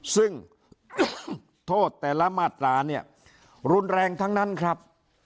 ซึ่งโทษแต่ละมาตราเนี่ยรุนแรงทั้งนั้นครับ